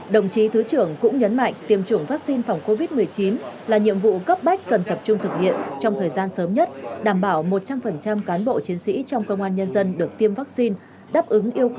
đồng chí thứ trưởng cũng nhấn mạnh tiêm chủng vaccine phòng covid một mươi chín là nhiệm vụ cấp bách cần tập trung thực hiện trong thời gian sớm nhất đảm bảo một trăm linh cán bộ chiến sĩ trong công an nhân dân được tiêm vaccine đáp ứng yêu cầu